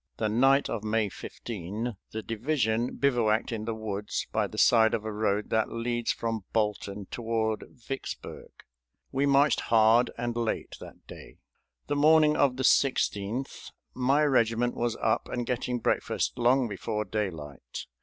The night of May 15 the division bivouacked in the woods by the side of a road that leads from Bolton toward Vicksburg. We marched hard and late that day. The morning of the 16th my regiment was up and getting breakfast long before daylight.